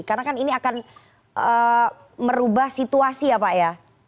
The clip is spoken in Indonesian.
karena kan ini akan merubah situasi ya pak ya